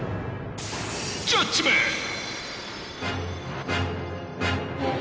ジャッジメント！